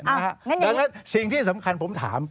อ้าวงั้นอย่างนี้สิ่งที่สำคัญผมถาม